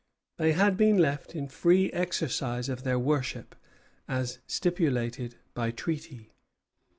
They had been left in free exercise of their worship, as stipulated by treaty.